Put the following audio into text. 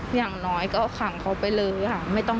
ความโหโชคดีมากที่วันนั้นไม่ถูกในไอซ์แล้วเธอเคยสัมผัสมาแล้วว่าค